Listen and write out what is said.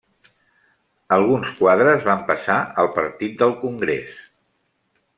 Alguns quadres van passar al Partit del Congrés.